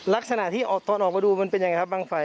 ลักษณะที่ตอนออกมาดูมันเป็นยังไงครับบางไฟ